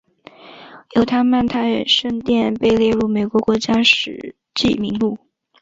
犹他曼泰圣殿被列入美国国家史迹名录。